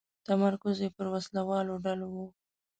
تمرکز یې پر وسله والو ډلو و.